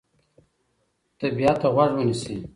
طبیعت ته غوږ ونیسئ.